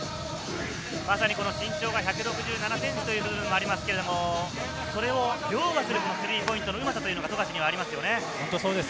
まさに身長が１６７ｃｍという部分もありますが、それを凌駕するスリーポイントのうまさがあります。